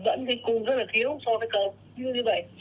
vẫn cái cung rất là thiếu so với cầu như vậy